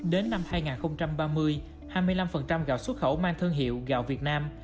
đến năm hai nghìn ba mươi hai mươi năm gạo xuất khẩu mang thương hiệu gạo việt nam